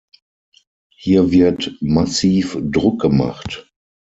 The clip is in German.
Hier wird massiv Druck gemacht.